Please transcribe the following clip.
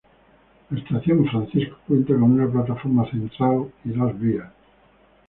La estación Francisco cuenta con una plataforma central y dos vías.